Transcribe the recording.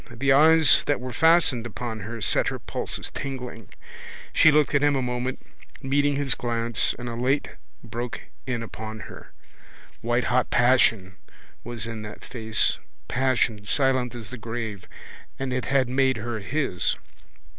The eyes that were fastened upon her set her pulses tingling. She looked at him a moment, meeting his glance, and a light broke in upon her. Whitehot passion was in that face, passion silent as the grave, and it had made her his.